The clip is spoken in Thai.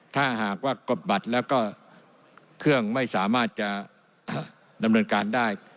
ถ้าหากว่ากบบัตรแล้วก็เครื่องไม่สามารถจะดำเนินการได้